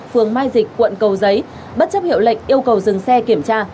phường mai dịch quận cầu giấy bất chấp hiệu lệnh yêu cầu dừng xe kiểm tra